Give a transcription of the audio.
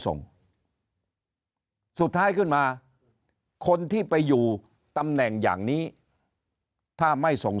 ส่งสุดท้ายขึ้นมาคนที่ไปอยู่ตำแหน่งอย่างนี้ถ้าไม่ส่ง